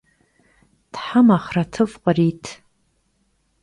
Them axhretıf' khrit.